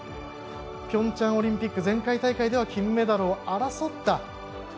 ピョンチャンオリンピック前回大会で金メダルを争って。